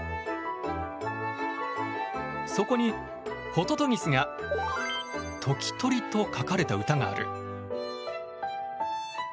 そこにホトトギスが「時鳥」と書かれた歌がある。